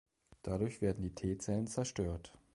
Dadurch werden die T-Zellen zerstört.